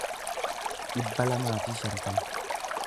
dhibba lamaa fi shantama